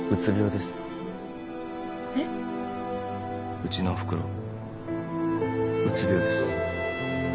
うちのおふくろうつ病です。